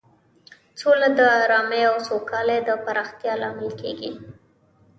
سوله د ارامۍ او سوکالۍ د پراختیا لامل کیږي.